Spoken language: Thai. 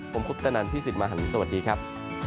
ผมคุปตนันพี่สิทธิ์มหันฯสวัสดีครับ